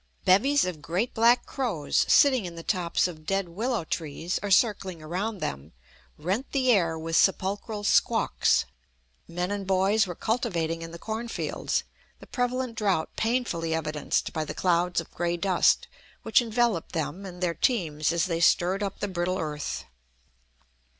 Bevies of great black crows, sitting in the tops of dead willow trees or circling around them, rent the air with sepulchral squawks. Men and boys were cultivating in the cornfields, the prevalent drought painfully evidenced by the clouds of gray dust which enveloped them and their teams as they stirred up the brittle earth.